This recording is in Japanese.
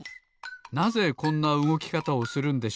なぜこんなうごきかたをするんでしょうか？